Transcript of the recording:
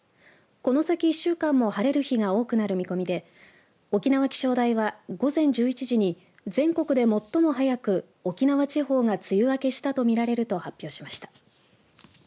この先１週間も晴れる日が多くなる見込みで沖縄気象台は午前１１時に全国で最も早く沖縄地方が梅雨明けしたとみられると発表しました。